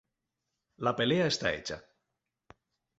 La pelea está hecha.